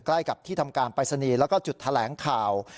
ใกล้กับที่ทำการปรายศนีย์แล้วก็จุดแถลงข่าว